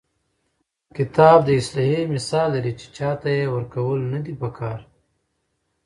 کتاب د اسلحې مثال لري، چي چا ته ئې ورکول نه دي په کار.